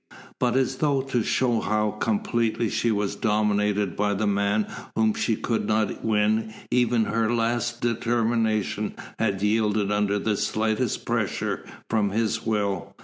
But as though to show how completely she was dominated by the man whom she could not win even her last determination had yielded under the slightest pressure from his will.